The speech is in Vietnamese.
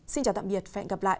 xin chào tạm biệt hẹn gặp lại